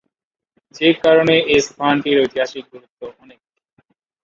যে কারণে এ স্থানটির ঐতিহাসিক গুরুত্ব অনেক।